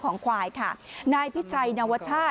สองสามีภรรยาคู่นี้มีอาชีพ